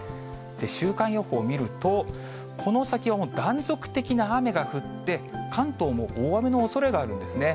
週間予報見ると、この先は断続的な雨が降って、関東も大雨のおそれがあるんですね。